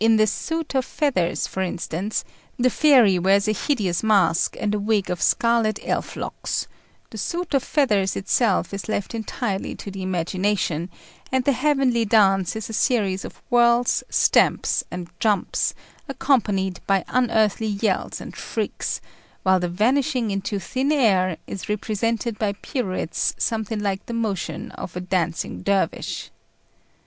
In the Suit of Feathers, for instance, the fairy wears a hideous mask and a wig of scarlet elf locks: the suit of feathers itself is left entirely to the imagination; and the heavenly dance is a series of whirls, stamps, and jumps, accompanied by unearthly yells and shrieks; while the vanishing into thin air is represented by pirouettes something like the motion of a dancing dervish.